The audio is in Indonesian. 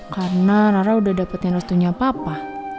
karena rara sudah dapatkan restunya papa